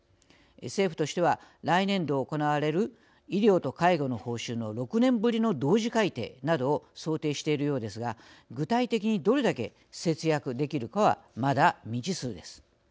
政府としては来年度行われる医療と介護の報酬の６年ぶりの同時改定などを想定しているようですが具体的にどれだけ節約できるかはまだ未知数です。